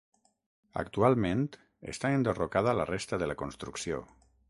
Actualment està enderrocada la resta de la construcció.